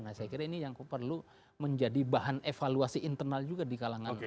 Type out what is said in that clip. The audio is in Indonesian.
nah saya kira ini yang perlu menjadi bahan evaluasi internal juga di kalangan